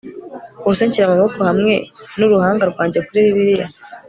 Ubuse nshyira amaboko hamwe nuruhanga rwanjye kuri Bibiliya